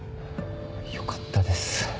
よかったです。